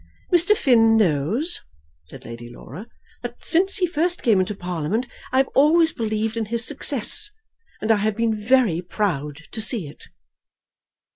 "Mr. Finn knows," said Lady Laura, "that since he first came into Parliament I have always believed in his success, and I have been very proud to see it."